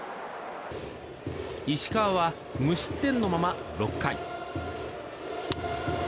石川は無失点のまま６回。